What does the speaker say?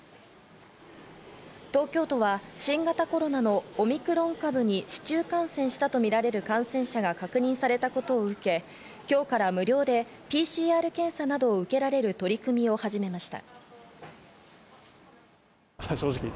東京都は新型コロナのオミクロン株に市中感染したとみられる感染者が確認されたことを受け、今日から無料でＰＣＲ検査などを受けられる取り組みを始めました。